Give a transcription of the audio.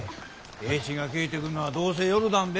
栄一が帰ってくるのはどうせ夜だんべ。